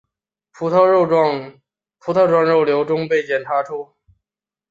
葡萄状肉瘤中被检查出。